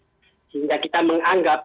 sehingga kita menganggap sehingga kita menganggap